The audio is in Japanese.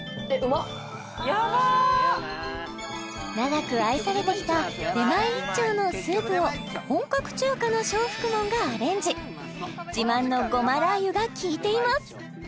長く愛されてきた出前一丁のスープを本格中華の招福門がアレンジ自慢のごまラー油が効いています